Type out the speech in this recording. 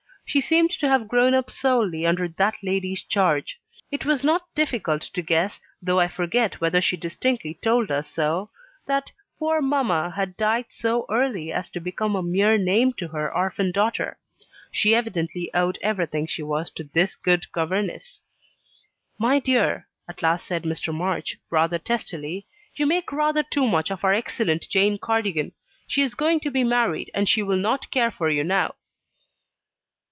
She seemed to have grown up solely under that lady's charge. It was not difficult to guess though I forget whether she distinctly told us so that "poor mamma" had died so early as to become a mere name to her orphan daughter. She evidently owed everything she was to this good governess. "My dear," at last said Mr. March, rather testily, "you make rather too much of our excellent Jane Cardigan. She is going to be married, and she will not care for you now."